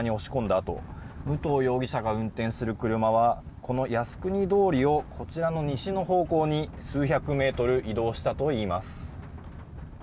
あと武藤容疑者が運転する車はこの靖国通りを西の方向に数百メートル移動したといいます。